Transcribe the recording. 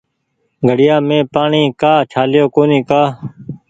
گھڙيآ مين پآڻيٚ ڪآ ڇآليو ڪونيٚ ڪآ